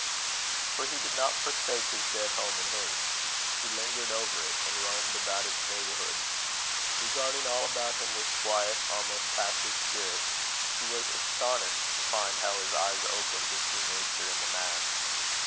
For he did not forsake his dead home in haste. He lingered over it, and roamed about its neighbourhood. Regarding all about him with quiet, almost passive spirit, he was astonished to find how his eyes opened to see nature in the mass.